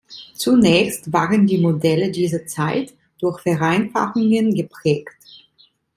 Zunächst waren die Modelle dieser Zeit durch Vereinfachungen geprägt.